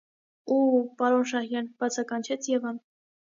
- Ուո՜ւ, պարո՛ն Շահյան,- բացականչեց Եվան: